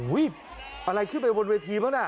อะไรขึ้นไปบนเวทีบ้างน่ะ